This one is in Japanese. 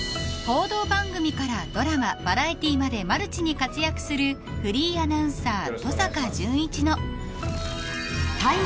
［報道番組からドラマバラエティーまでマルチに活躍するフリーアナウンサー］